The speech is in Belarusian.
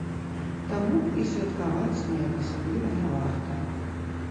Таму і святкаваць неяк асабліва не варта.